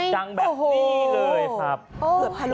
ดังแบบนี้เลยครับ